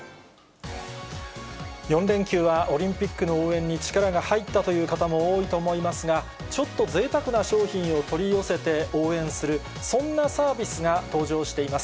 ４連休はオリンピックの応援に力が入ったという方も多いと思いますが、ちょっとぜいたくな商品を取り寄せて応援する、そんなサービスが登場しています。